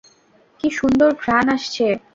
কি সুন্দর ঘ্রাণ আসছে!